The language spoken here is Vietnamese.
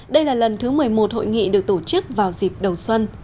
đây là lần thứ một mươi một hội nghị được tổ chức vào dịp đầu xuân